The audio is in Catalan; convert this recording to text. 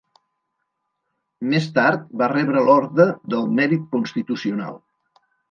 Més tard va rebre l'Orde del Mèrit Constitucional.